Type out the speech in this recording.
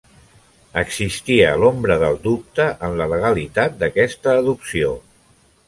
Existia l'ombra del dubte en la legalitat d'aquesta adopció.